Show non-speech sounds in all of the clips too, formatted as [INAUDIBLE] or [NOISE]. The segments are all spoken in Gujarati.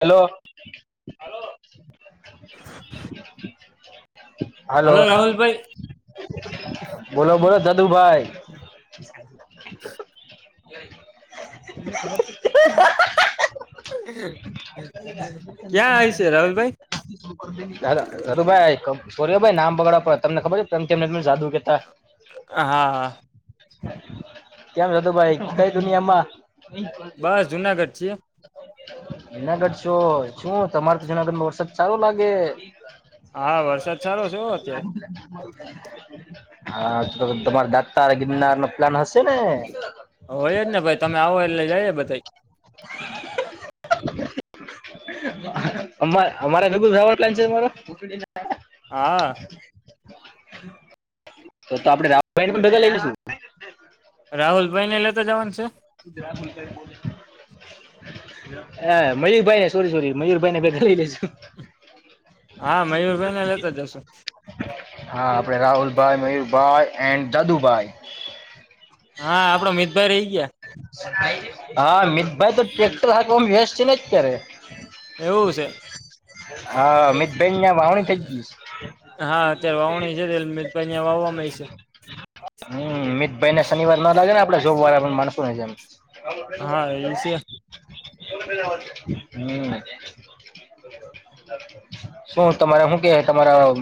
હલો. હાલો હલો રાહુલભાઈ બોલો બોલો દાદુભાઈ. હ હ [INAUDIBLE] ક્યાં આવી છે રાહુલભાઈ ભાઈ સો ભાઈ નામ બગાડવાડ તમને ખબર છેને જાદુ કેતા હા હા કેમ જતો ભાઈ કઈ દુનિયામાં? બસ જુનાગઢ છી જુનાગઢ છો શું તમાર તો જુનાગઢ વટ્સપ ચાલુ લાગે હા વરસાદ સારો છે અત્યારે હા તો તમારા દાતા ગિરનાર નો પ્લાન હશે ને હોય જ ને ભાઈ તમે આવો એટલે જઈએ બધા અમારેર પલાન છેરો હા. તો તો આપડે રામભાઈ પણ બગા લઈ લશું. રાહુલ ભાઈ ને લેતા જવાનું છે. તું ધ્યાલ બ હ મયુરભાઈ ને સોરી સોરી મયુરભાઈને બેેા લઈ લેેશુ. હા મયુરભાઈને લેતા જશો હા આપડે રાહુલભાઈ મયુરભાઈ એન્ડ દાદુભાઈ હા આપડો મિતભાઈ રહી ગયા. હા મિતભાઈ તો ટ્રેક્ટર હાક વ્યસ્ છે ને અત્યારે એવું છે હા મ. બે અહિયાં વાવણી થઈ ગઈશ હા અત્યારે વાવણી છે તે મિતભાઈ ને વાવવામાં છે હમ મીિત ભાઈ ને શનિવાર ના લાગે ને આપડે જોબ વાળા પણ માણસું નને જેમ હા એ છે [INAUDIBLE] હમ. શું તમારા શું કે તમારા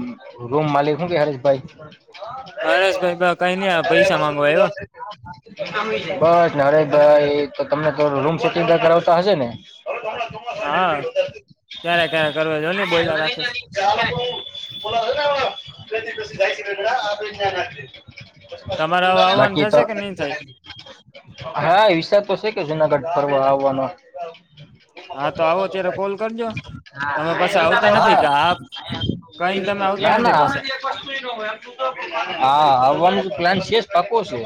રૂમ માલિક શું કે હરેશભાઈ હરેશભાઈ બ કઈ નઈ આ પૈસા માંગવા આવ્યા [INAUDIBLE] બસ નારેશ ભાઈ એ તો તમને તો રૂમ સટિંગ કરાવતા હશે ને [INAUDIBLE] હા ક્યારે ક્યારે કરવા જો ને બોયલા રાખે છે તમારે હવે [UNINTELLIGIBLE] આવવાનું બાકી થશે તો કે નહી થાય હા વિશા તો છે કે જુનાગઢ ફરવા આવવાનો. હા તો આવો અત્યારે કોલ કરજો તમે પાછા આવતા નથી હા કે આપ ના ના. હા, આવવાનું પ્લાન છે જ પાકો છે.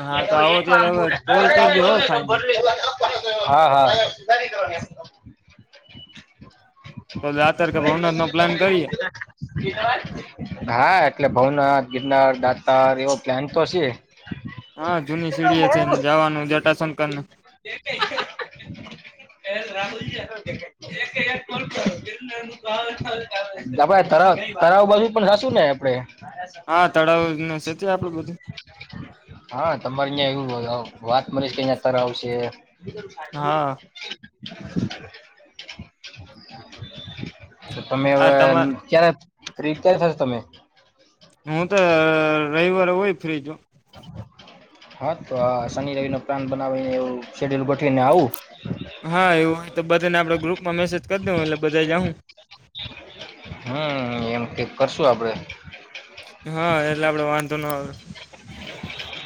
હા તો આવો ત્યારે હવે કોલ કરજો હો ફાઈન [UNINTELLIGIBLE] હા, હા. તો દાતર કે ભવનાથ નો પ્લાન કરીએ હા, એટલે ભવનાથ ગિરનાર દાતાર એવો પ્લાન તો છે. હા, જૂની સીડીએ છે ને જવાનું જટા શંકર ને. રાહુલજી. આપડે તરા તરાવ બાજુ પણ હતું ને આપડે. હા, તળાવ નું સતી આપડું બધું. હા, તમારે અ્યાં એવું વાત મળી અત્યારે આવશે. હા તો તમે આ એમ તમારે ક્યારે ફ્રી થશે તમે. હું તો અહ રવિવારે હોય ફ્રી છું. હા તો આ શનિ રવિ નો પ્લાન બનાવીને એવ શેડ્યુલ ગોઠવીને આવું. હા, એવું હોય તો બધાને આપડે ગ્રુપ માં મેસેજ કરી દઉ એટલે બધા જાઉ. હમ્મ એમ તે કરશું આપડે. હા, એટલે આપડે વાંધો ન આવે.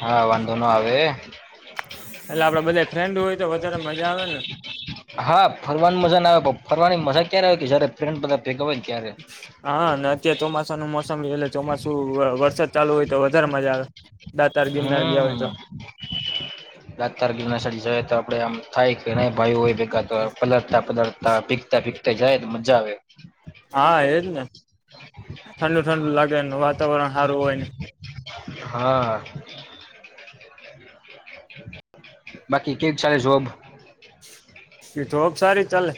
હા, વાંધો નો આવે. એટલે આપડે બધા ફ્રેન્ડ હોય તો વધારે મજા આવે ને. હા, ફરવાની મજા ના આવે ફરવાની મજા ક્યારે આવે કે જયારે ફ બધા ભેગ હોયને ત્યારે. હા, ને અત્યારે ચોમાસાનું મોસમ એટલે ચોમાસું વરસાદ ચાલુ હોય તો વધારે મજા આવે. દા તાર ગિરનાર ગયા હોય તો. લાર ગીર જ તો આપડે આમ થાય કે ન ભાઈ હોય. એકા તો પલળતા પલળતા ભીગતા ભીગતા જાય તો મજા આવે. હા એજ ને ઠંડુ ઠંડુ લાગે છે ને વાતાવરણ હારું હોય ને. હા. બાકી કેક ચાલે જોબ? તે જોબ સારી ચાલે.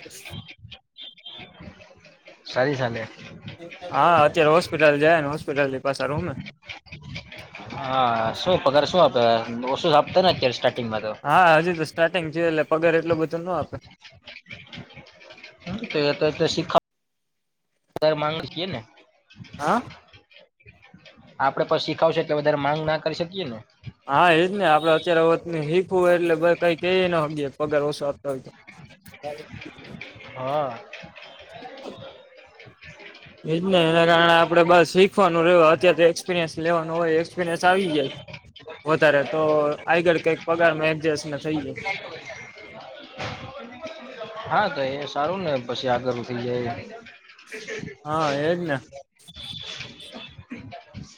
સારી ચાલે. હા અત્યારે હોસ્પિટલ જાયને હોસ્પિટલની પાછા રૂમે. હા, શું પગાર શું આપે ઓછું આપતા ખેર સ્ટાર્ટિંગમાં તો? હા, હજુ તો સ્ટાર્ટિંગ છે એટલે પગાર એટલું બધું નો આપે. તો એ તો એ શીખ અત્યારે માંગે છીએ ને. હા આપડે પણ શીખાવ શે વધારે માંગ ના કરી શકીએ ને. હા, એ જ ને આપડે અત્યારે વત શીખવય એટલે કઈ ક ન પગાર ઓછો આપતા હોય તો. [UNINTELLIGIBLE] હા. એજ ને એના કારણે આપણે બસ શીખવાનું રહ અત્યારે તો એક્સપિરિયન્સ લેવાનું હોય એક્સપિરિયન્સ આવી જાય. વધારે તો આગળ કઈક પગારમાં એડજસ્ટને થઈ જાય. હા, તો એ સારું ને પછી આગળઉઠી થઈ જાય. હા એજ ને.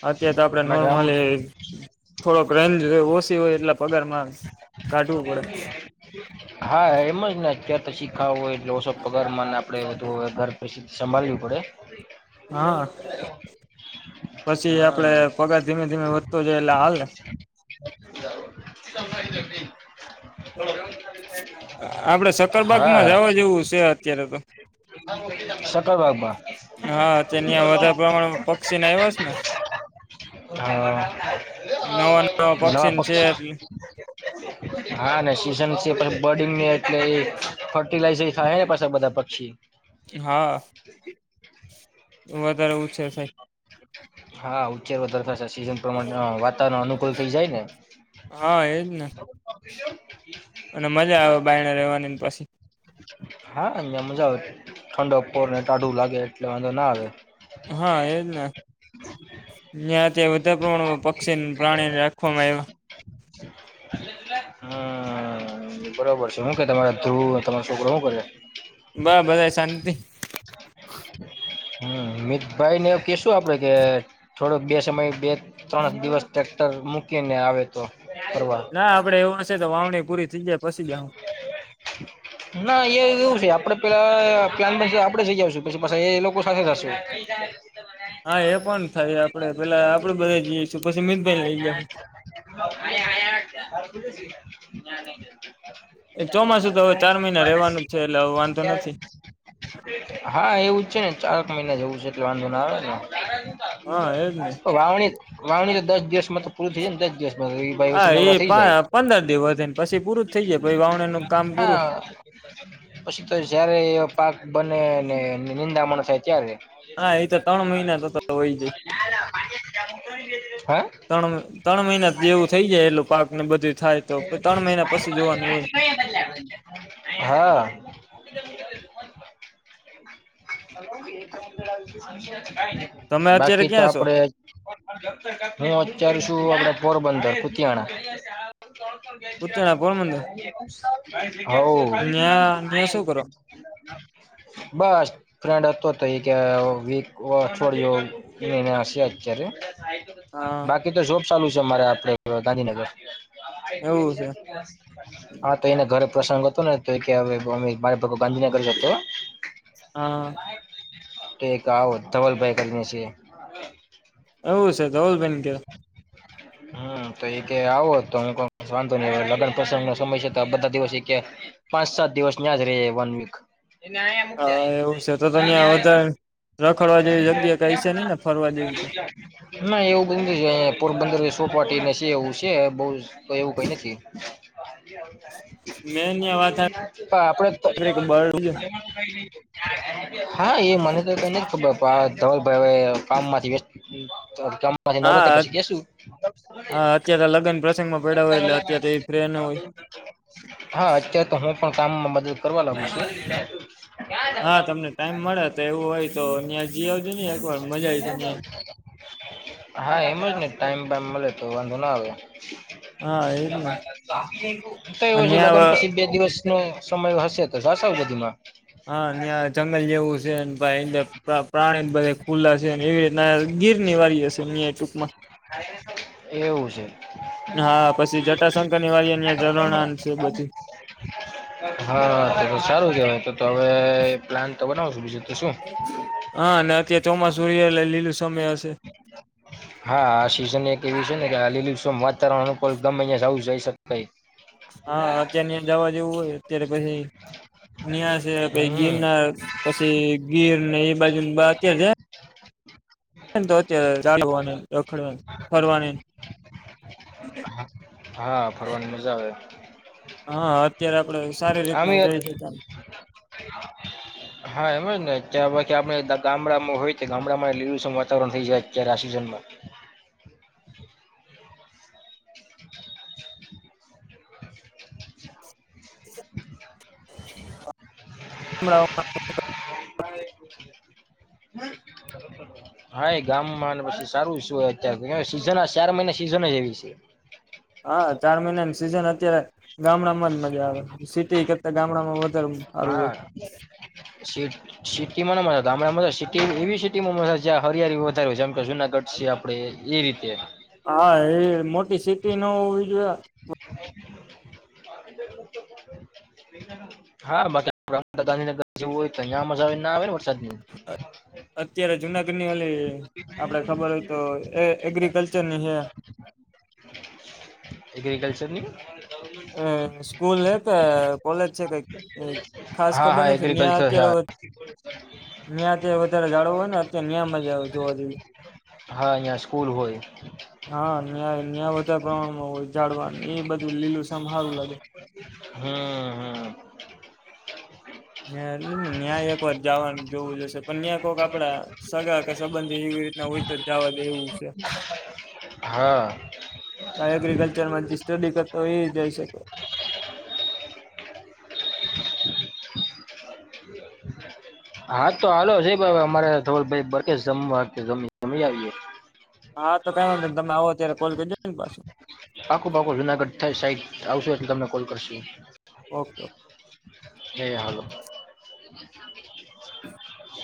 અત્યારે તો આપડે બાકી આમ નોર્મલી એ થોડોક રેન્જ ઓછી હોય એટલે પગારમાં કાઢવું પડે હા એમ જ ને અત્યાર તોછી ખાવું હોય એલે ઓસો પગાર ને આપડે વધુ ઘર પ્રસિદ્ધ. સંભાળવું પડે. હા પછી હા આપડે પગાર ધીમે ધીમે વધતો જાય એટલે હાલને. [INAUDIBLE] [UNINTELLIGIBLE] આપડે સકરબાગ માં જવા જેવું છે અત્યારે તો. સકલ વાબા હા તેની વધારે પ્રમાણમાં પક્ષી ને આવ્યા છે ને હા નવા નવા પક્ષીને છે એટલે પક્ષક્ષ. હા ને સીઝન છે બર્ડંગને એટલે ફર્ટિલાઈઝ થાય ને પાછ બધા પક્ષી. હા વધારે ઉું છે સા. હા ઉચ્ચેર વરખાશે સીઝન પ્રમાણે વાતાવરણ અનુકૂળ થઈ જાય ને હા એજ ને. અને મજા આવે બાયને રવાની પછી. હા અહયા મજા આવે ઠંડક પોર ને ટાઢું લાગે એટલે વાંધો ના આવે. હા એજ ને. વધા પ્રમાણમાં પક્ષીને પ્રાણીને રાખવામાં આવ્યા. [UNINTELLIGIBLE] હમ બરોબર છે શું કે તમારા ધ્રુવ તમારો છોકરો શું કરે. બહ બધ શાંતિ. હમ મિતભાઈ ને કશું આપડે કે થોડોક બે સમય. બે ત્રણ દિવસ ટ્રેક્ટર મૂકીને આવે તો ફરવા. ના આપડ એવું હશે તો વાવણી પૂરી થઈ જાય. પછી જાહુ [INAUDIBLE] ના એ એવું છે આપડે પેલા પ આપડે જઈ આવશું પછી પાછ એ લોકો સાથે થશું. એ. હા એ પણ થાય આપડે પેલા આપડું બધા જઈશું પછી મીતભાઈ લઈ ગયા. [INAUDIBLE] [UNINTELLIGIBLE] એ ચોમાસું તો હવે ચાર મહિના રહેવાનું જ છે એટલે હ વાંધો નથી. હા એવું જ છે ને ચારક મહિના જેવું છે એટલે વાંધો ના આવે ને. હા એજ ને વાવણી વાવણી તો દસ દિવસમાં તો પૂરી થઈ જાય ને દસ દિવસ. બ હા ભાઈ એ નવરા થઈ જાય. પા પંદર દિવસ વધ પછી પૂરું. થઈ જાય પછી વાવણીનું કામ પૂરું હા. પછી તો જયારે એ પાક બને ને નિંદામણો થાય ત્યારે. [INAUDIBLE] હા એ તો ત્રણ મહિના તો હોય જાય ત્રણ ત્રણ મહિના જેવું થઈ જાય એટું પાક ને બધું થાય તો ત્રણ મહિના પછી જોવાનું હોય. બીચ મેં દૂસરો કે ધમની આ રહી હૈ. બીચ મેં કિસી ઓર કી અવાજ તમે આ અત્યારે રહી ક્યાં છો હૈ. સહી અવાજ નહીં આ રહી હે. ઉત્તરાયણ પોરબંદર [UNINTELLIGIBLE] ન્યા ન્યા શું કરો [INAUDIBLE] બસ. ફ્રેન્ડ હતો હતો કે વીક અઠવાડિયયોિને હશે અત્યારે. હા બાકી તો જોબ ચાલુ છે અમારે આપડે ગાંધીનગર. એવું છે હા તો એને ઘરે પ્રસંગ હતો ને તો કે. બ બંધને કરસ હત. હા તો આવો ધબલભાઈ કરની છે. એવું છે તોોલ બેન કે. હ. હમ તો એ આવો તો વાંધો નહી લગ્ન પ્રસંગ નો સમય છે તો બધા દિવસ. પાંચ સાત દિવસ ન્યાજ ર વન વીક. હા એવું છે તો [UNINTELLIGIBLE] રખડવા જેવી જગ્યા કઈ છે નઈ ને ફરવા જેવી? કે ના એવું પોરબંદર સોપવાટી છે, એવું છે બ એવું કઈ નથી. મેં ત્યાં વાત હ આપડે સાંભળી કે બર્ડ હા એ મને તો કઈ ન ખબર ધવલ ભાઈ કામ માંથી નવરાત્ર હા પછી જશું. હા અત્યારે લગ્ન પ્રસંગમાં પડ્યા હોય એટલે અત્યારે એ ફ્રેન્ડ હોય હા અત્યારે તો હું પણ કામમાં મદદ કરવા લાગુ છું. હા તમને ટાઈમ મળે તો એવું હોય તો અ્યાં જઈ આવજો નને એકવાર મજા આવી. હા એમ જ ટાઈમ મળે તો વાંધો ના આવે. હા એજ ને તો એવું છે લગ્ન ત્યાં પછી બે દિવસ ન સમય હશે તો [UNINTELLIGIBLE] હા ત્યા જંગલ જેવું છે ભાઈ પ્રાણી બધા ખુલ્લા છેને એવી રીતે ના ગીર ની વારી હશે એ ટૂંકમાં. એવું છે. હા પછી જટાશંકર ની વારનીં ઝરણા છે બધી હા તો તો સારું કેવાય તો હવે પ્લાન તો બનાવ છો બીજું તો શું. હા અને અત્યારે ચોમાસું હાલે લીલું છમ હશે. હા આ સિઝન એક એવી છે ને કે આ લીલી વાતાવરણ અનુકૂળ ગમે [UNINTELLIGIBLE] જાય શકે હા અત્યાર જવા જેવું હોય અત્યારે પછી ન પ હમ ગીરના પછી ગીર ને એ બાજુ બા કે છે તો અત્યારે રખડવા ફરવાની હા ફરવાની મજા આવે. હા અત્યારે આપડે સારી રીતના આમે જોઈ શકે હા એમજ ને ક્યાં કે આપણે ગામડામાં હોય ગામડામાં લીલું છમ વાતાવરણ થઈ જાય અત્યારે આ સિઝનમાં [INAUDIBLE] [INAUDIBLE] [INAUDIBLE] હા એ ગામમાં પછી સારું શુંય અત્યારે સીઝન ચાર મહિના સિઝન જ એવી છે. હા ચાર મહિનાની સિઝન અત્યારે ગામડામાં જ મજા આવે સિટી કરતા ગામડામાં વધારે સારું હોય હા સીટ સિટીમાં ના ગામડા સિટી એવી સિટી માં મ જ્યાં હરિયાળી વધારે હો છે જેમ કે જુનાગઢ સ આપડ એ રીતે. હા એ મોટી સીટીટી ન હોવી જોઈએ [INAUDIBLE] [INAUDIBLE] હા બાકી આપ ગાંધીનગર જવું હોય તો તહં મજા આવે ના આવે ને વરસાદ ની. અત્યારે જુનાગઢ ની ઓલી આપડે ખબર હોય તો એ એગ્રીકલ્ચર ની છે. એગ્રિકલ્ચરની. અ સ્કૂલ તો કોલેજ છે કંઈક ખાસ હા ખબર હા નથી ત્યા એગ્રીકલ્ચર હા અત્યારે ત્યા વધારે જાળવું હોય ને અત્યારે મજા જોવા જોઈએ. હા અહીંયા સ્કૂલ હોય. હા ન્યા ન્યા વધારે પ્રમાણમાં હોય ઝાડવાનું એ બધું લીલું સામ હારું લાગે. હમ હમ. ન એટલે ને ન્યાક એક વાર જવાનું જોવું જશે પણ ન્યાયક આપડા સગા કે સંબંધી એવી રીતના હોય તો જવા દે એવું છે હા એગ્રીિકલ્ચરમાંથી સ્ટડી કરતો એય જઈ શકો [INAUDIBLE] [UNINTELLIGIBLE] હા તો હાલો છે અમારે થ બ જમવામી જમી આવીએ હા તો કઈ નંધ તમે આવો અત્યારે કોલ કરીજો ને પાછું પાખો પાકોું જુનાગઢ સાઈડ આવશો એ તમને કોલ કરશું ઓકે ઓકે એ હાલ [INAUDIBLE] [UNINTELLIGIBLE] [INAUDIBLE]